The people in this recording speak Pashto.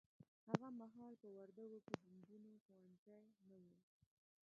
هغه محال په وردګو کې د نجونو ښونځي نه وه